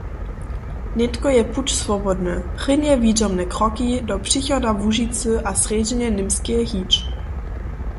Nětko je puć swobodny, prěnje widźomne kroki do přichoda Łužicy a srjedźneje Němskeje hić.